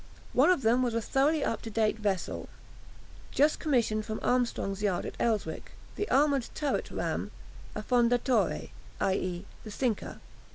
One of them was a thoroughly up to date vessel, just commissioned from Armstrong's yard at Elswick, the armoured turret ram "Affondatore" (i.e. "The Sinker").